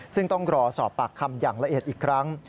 ซึ่งต้องรอสอบปากคำอย่างละเอียดอีกครั้ง